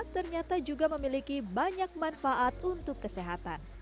ternyata juga memiliki banyak manfaat untuk kesehatan